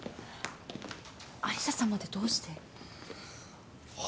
有沙さんまでどうして？は